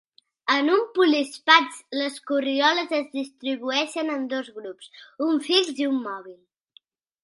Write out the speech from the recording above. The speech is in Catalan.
En un polispast, les corrioles es distribueixen en dos grups, un fix i un mòbil.